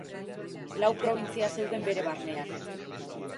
Lau probintzia zeuden bere barnean.